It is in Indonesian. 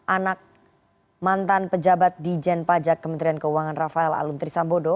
anak mantan pejabat di jen pajak kementerian keuangan rafael aluntri sambodo